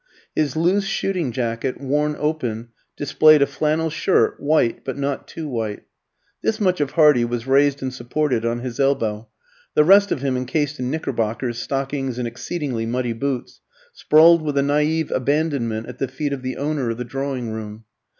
His loose shooting jacket, worn open, displayed a flannel shirt, white, but not too white. This much of Hardy was raised and supported on his elbow; the rest of him, encased in knickerbockers, stockings, and exceedingly muddy boots, sprawled with a naïve abandonment at the feet of the owner of the drawing room.